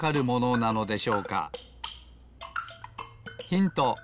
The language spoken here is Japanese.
ヒント